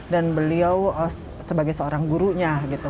dan beliau sebagai seorang gurunya